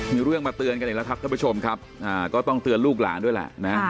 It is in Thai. มีเรื่องมาเตือนกันอีกแล้วครับท่านผู้ชมครับก็ต้องเตือนลูกหลานด้วยแหละนะ